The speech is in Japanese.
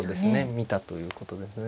見たということですね。